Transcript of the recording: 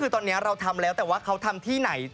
คือตอนนี้เราทำแล้วแต่ว่าเขาทำที่ไหน